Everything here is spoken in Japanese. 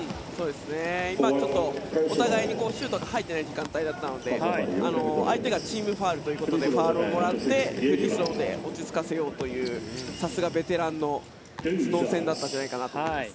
今、ちょっとお互いにシュートが入っていない時間帯だったので相手がチームファウルということでファウルをもらってフリースローで落ち着かせようというさすがベテランというところだったと思います。